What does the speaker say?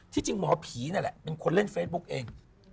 จริงหมอผีนั่นแหละเป็นคนเล่นเฟซบุ๊กเอง